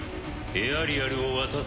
エアリアルを渡せ。